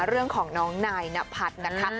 เรื่องของน้องนายนพัฒน์นะคะ